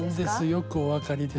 よくお分かりです。